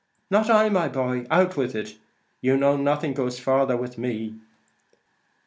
"Not I, my boy; out with it. You know nothing goes farther with me."